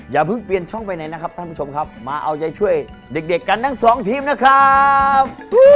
อย่าเพิ่งเปลี่ยนช่องไปไหนนะครับท่านผู้ชมครับมาเอาใจช่วยเด็กกันทั้งสองทีมนะครับ